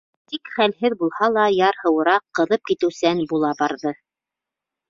Тик хәлһеҙ булһа ла, ярһыуыраҡ, ҡыҙып китеүсән була барҙы.